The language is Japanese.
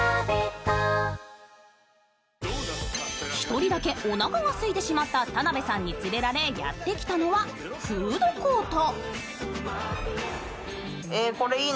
１人だけおなかがすいてしまった田辺さんに連れられやってきたのはフードコート。